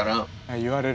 言われる。